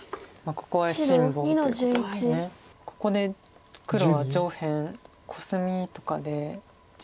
ここで黒は上辺コスミとかで１２３４。